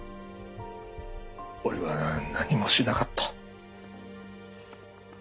俺は何もしなかった。